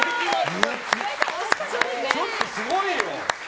ちょっと、すごいよ！